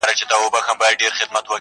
د مالیې او مذهبي ازادۍ